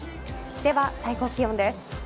では最高気温です。